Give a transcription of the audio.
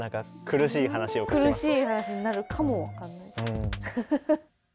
苦しい話になるかも分かんないです。